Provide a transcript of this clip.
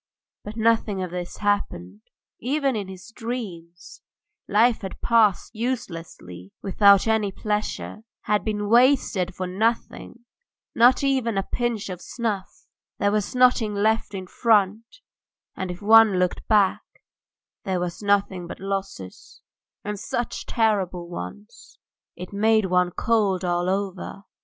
But nothing of this had happened, even in his dreams; life had passed uselessly without any pleasure, had been wasted for nothing, not even a pinch of snuff; there was nothing left in front, and if one looked back there was nothing there but losses, and such terrible ones, it made one cold all over.